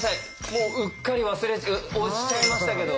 もううっかり忘れて押しちゃいましたけど。